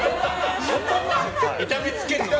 痛めつけるのが？